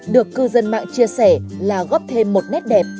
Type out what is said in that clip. được cư dân mạng chia sẻ là góp thêm một nét đẹp